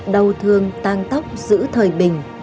đầu thương tan tóc giữ thời bình